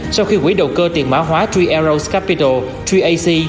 sau khi quỹ đầu cơ tiền mã hóa ba euros capital ba ac